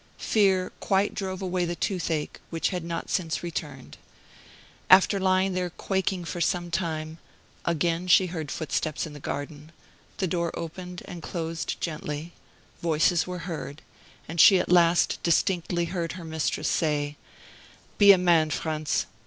Fear quite drove away the toothache, which had not since returned. After lying there quaking for some time, again she heard footsteps in the garden; the door opened and closed gently; voices were heard; and she at last distinctly heard her mistress say, "Be a man, Franz.